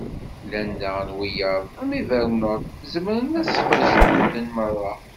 Llan daɣen wiyaḍ, am Evernote i zemren ad sqedcen medden meṛṛa.